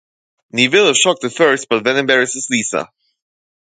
Neville is shocked at first, but then embraces Lisa.